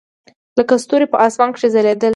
لکه ستوري په اسمان کښې ځلېدل.